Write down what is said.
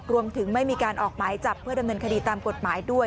รวมถึงไม่มีการออกหมายจับเพื่อดำเนินคดีตามกฎหมายด้วย